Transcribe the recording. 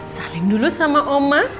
salim dulu sama uma